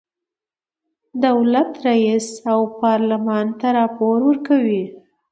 دولت رئیس او پارلمان ته راپور ورکوي.